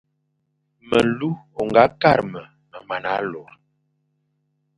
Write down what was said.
Melu ô nga kakh me mana lor.